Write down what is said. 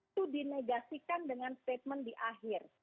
itu dinegasikan dengan statement di akhir